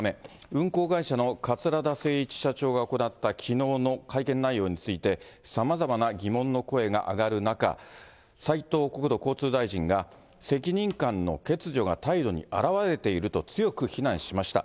運航会社の桂田精一社長が行ったきのうの会見内容について、さまざまな疑問の声が上がる中、斉藤国土交通大臣が、責任感の欠如が態度に表れていると、強く非難しました。